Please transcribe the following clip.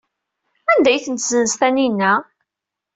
Anda ay tent-tessenz Taninna?